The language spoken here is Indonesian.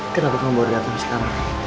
kenapa kamu bergantung sekarang